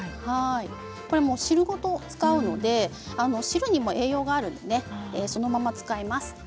これを汁ごと使うので汁にも栄養があるのでそのまま使います。